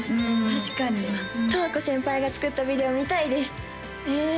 確かに十和子先輩が作ったビデオ見たいですええ